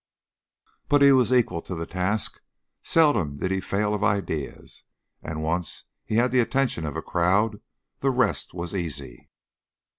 But he was equal to the task; seldom did he fail of ideas, and, once he had the attention of a crowd, the rest was easy.